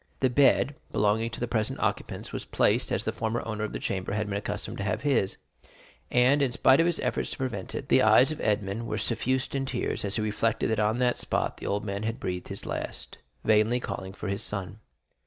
The bed belonging to the present occupants was placed as the former owner of the chamber had been accustomed to have his; and, in spite of his efforts to prevent it, the eyes of Edmond were suffused in tears as he reflected that on that spot the old man had breathed his last, vainly calling for his son.